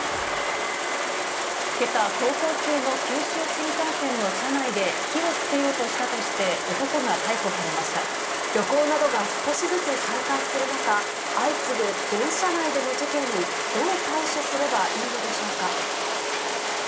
けさ、走行中の九州新幹線の車内で、火をつけようとしたとして、旅行などが少しずつ再開する中、相次ぐ電車内での事件に、どう対処すればいいのでしょうか。